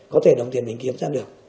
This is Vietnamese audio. có thể đồng tiền mình kiếm ra được